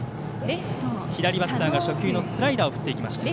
左バッターが初球のスライダーを振っていきました。